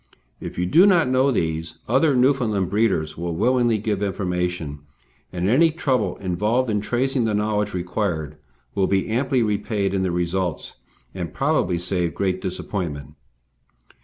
If you do not know these, other Newfoundland breeders will willingly give information, and any trouble involved in tracing the knowledge required will be amply repaid in the results, and probably save great disappointment.